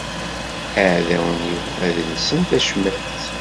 Iɛdawen-iw ad llsen tacmat.